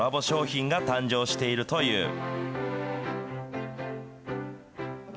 商品が誕生しているという。